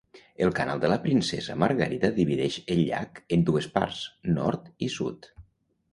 El Canal de la Princesa Margarida divideix el llac en dues parts, nord i sud.